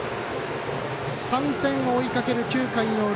３点を追いかける９回の裏。